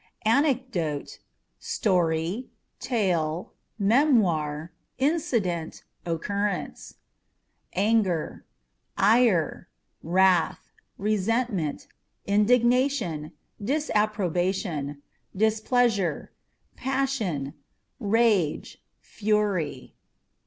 Anecdote â€" story, tale, memoir, incident, occurrence. Anger â€" ire, wrath, resentment, indignation, disapprobation, displeasure, passion, rage, fury.